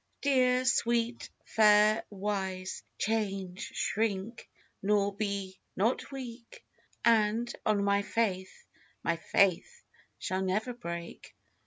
Dear, sweet, fair, wise, change, shrink, nor be not weak; And, on my faith, my faith shall never break.